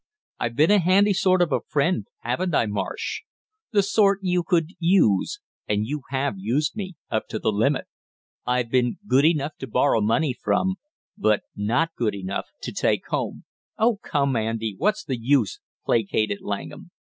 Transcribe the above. I've been a handy sort of a friend, haven't I, Marsh? The sort you could use, and you have used me up to the limit! I've been good enough to borrow money from, but not good enough to take home " "Oh, come, Andy, what's the use," placated Langham.